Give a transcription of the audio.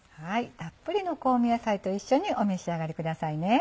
たっぷりの香味野菜と一緒にお召し上がりください。